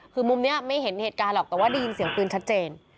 คือมุมนี้ไม่เห็นเหตุการณ์หรอกแต่ว่าได้ยินเสียงปืนชัดเจน